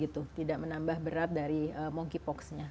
tidak menambah berat dari monkeypoxnya